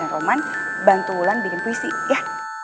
roman bantu wulan bikin puisi ya